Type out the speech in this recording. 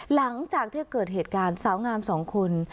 หลังจากที่เกิดเหตุการณ์สาวงามสองคน